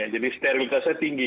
jadi sterilitasnya tinggi